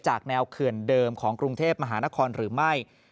แนวเขื่อนเดิมของกรุงเทพมหานครหรือไม่